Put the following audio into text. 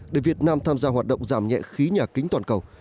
để việt nam tham gia hoạt động giảm nhẹ khí nhà kính toàn cầu